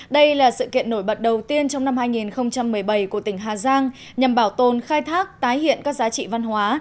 đây là sự kiện nổi bật đầu tiên trong năm hai nghìn một mươi bảy của tỉnh hà giang nhằm bảo tồn khai thác tái hiện các giá trị văn hóa